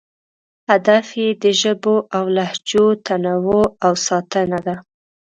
هدف یې د ژبو او لهجو تنوع او ساتنه ده.